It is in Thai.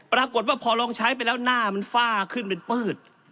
ปรากฏว่าพอลองใช้ไปแล้วหน้ามันฝ้าขึ้นเป็นปืด